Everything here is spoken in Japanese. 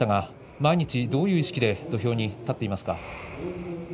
毎日どういう意識で土俵に立っていますか。